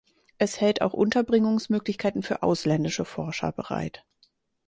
Es hält auch Unterbringungsmöglichkeiten für ausländische Forscher bereit.